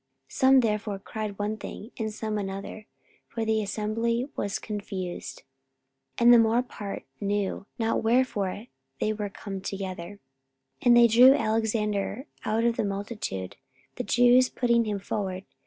44:019:032 Some therefore cried one thing, and some another: for the assembly was confused: and the more part knew not wherefore they were come together. 44:019:033 And they drew Alexander out of the multitude, the Jews putting him forward.